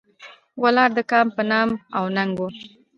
ولاړ د کام په نام او ننګ و.